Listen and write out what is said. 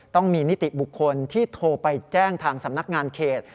ต้องมีนิติบุคคลที่โทรไปแจ้งทางสำนักงานเขต